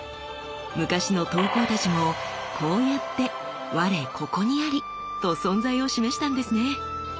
昔の刀工たちもこうやって「我ここにあり！」と存在を示したんですね。